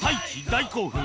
大興奮！